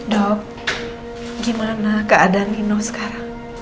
dok gimana keadaan dino sekarang